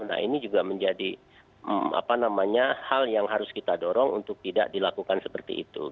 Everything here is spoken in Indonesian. nah ini juga menjadi hal yang harus kita dorong untuk tidak dilakukan seperti itu